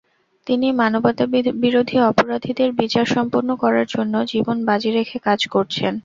তিনি মানবতাবিরোধী অপরাধীদের বিচার সম্পন্ন করার জন্য জীবন বাজি রেখে কাজ করছেন।